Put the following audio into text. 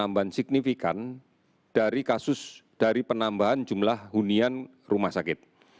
penambahan signifikan dari kasus dari penambahan jumlah hunian rumah sakit